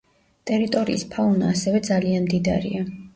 ტერიტორიის ფაუნა ასევე ძალიან მდიდარია.